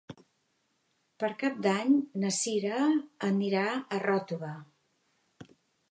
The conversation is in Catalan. Per Cap d'Any na Cira anirà a Ròtova.